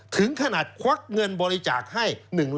ถึงขนาดควักเงินบริจาคให้